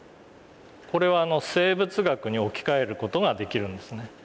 これは生物学に置き換える事ができるんですね。